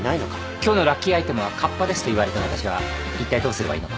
「今日のラッキーアイテムはカッパです」と言われた私はいったいどうすればいいのか。